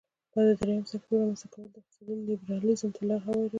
دا د دریم سکتور رامینځ ته کول د اقتصادي لیبرالیزم ته لار هواروي.